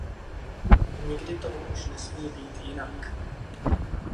Nikdy tomu už nesmí být jinak!